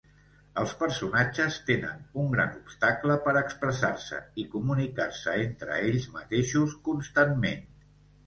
Els personatges tenen un gran obstacle per expressar-se i comunicar-se entre ells mateixos constantment.